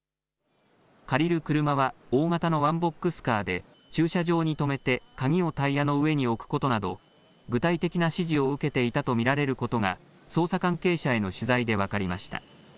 借りる車は大型のワンボックスカーで、駐車場に止めて鍵をタイヤの上に置くことなど、具体的な指示を受けていたとみられることが、捜査関係者への取材で分かりました。